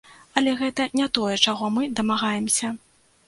Але гэта не тое, чаго мы дамагаемся.